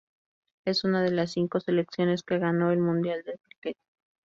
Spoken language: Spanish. Es una de las cinco selecciones que ganó el Mundial de Críquet.